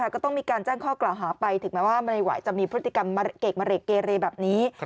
ก็ต้องมีการแจ้งข้อกล่าวหาไปถึงแม้ว่ามริวายจะมีพฤติกรรมเกรกมะเรกเกเรแบบนี้